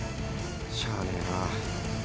しゃあねえな。